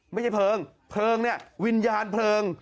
ไม่ใช่เพลิงเพลิงเนี่ยวิญญาณเพลิง